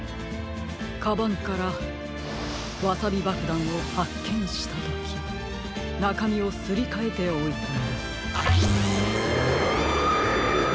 カバンからワサビばくだんをはっけんしたときなかみをすりかえておいたのです。